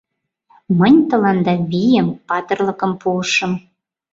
Мынь тыланда вийым, патырлыкым пуышым.